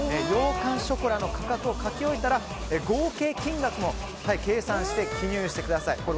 羊羹ショコラの価格を書き終えたら合計金額も計算して記入してください。